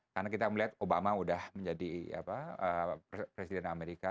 karena kita melihat obama sudah menjadi presiden amerika